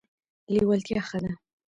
لیوالتیا ښه ده.